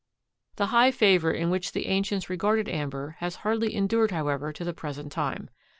The high favor in which the ancients regarded amber has hardly endured however to the present time.